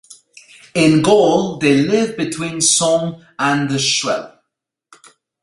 In Gaul they lived between the Somme and the Scheldt.